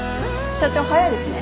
社長早いですね。